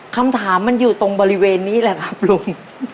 คำถามมันอยู่ตรงบริเวณนี้แหละครับลุง